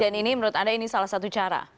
dan ini menurut anda ini salah satu cara